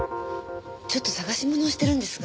ちょっと探し物をしてるんですが。